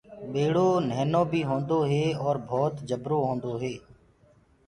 ٻيڙو ننهنو بي هوندو هي اور ڀوت جبرو بي هوندو هي۔